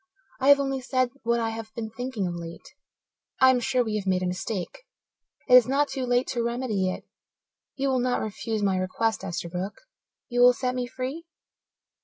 I have only said what I have been thinking of late. I am sure we have made a mistake. It is not too late to remedy it. You will not refuse my request, Esterbrook? You will set me free?"